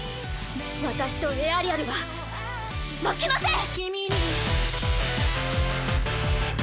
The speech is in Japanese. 私とエアリアルは負けません！